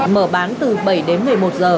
mở bán từ bảy đến một mươi một giờ